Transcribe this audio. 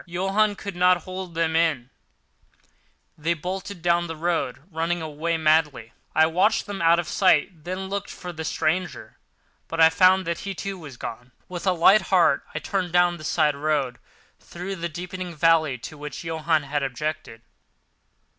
Johann could not hold them in; they bolted down the road, running away madly. I watched them out of sight, then looked for the stranger, but I found that he, too, was gone. With a light heart I turned down the side road through the deepening valley to which Johann had objected.